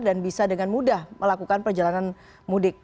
dan bisa dengan mudah melakukan perjalanan mudik